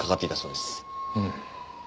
うん。